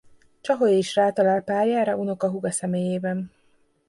Csaholyi is rátalál párjára unokahúga személyében.